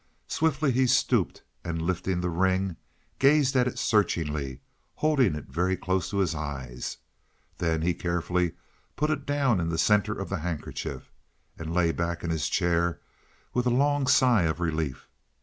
Swiftly he stooped, and lifting the ring, gazed at it searchingly, holding it very close to his eyes. Then he carefully put it down in the center of the handkerchief, and lay back in his chair with a long sigh of relief.